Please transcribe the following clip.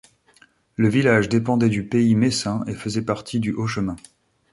Le village dépendait du Pays messin et faisait partie du Haut Chemin.